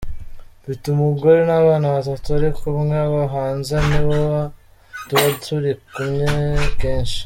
Mfite umugore n’abana batatu ariko umwe aba hanze, nibo tuba turi kumwe kenshi.